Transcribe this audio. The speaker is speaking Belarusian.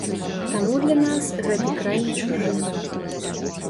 Таму для нас гэты край не чужы.